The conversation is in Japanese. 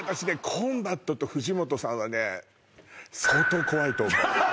コンバットと藤本さんはねと思う